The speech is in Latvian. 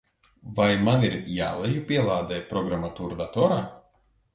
Vai man ir jālejupielādē programmatūra datorā?